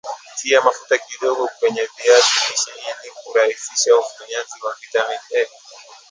Tia mafuta kidogo kwenye viazi lishe ili kurahisisha ufyonzaji wa vitamini A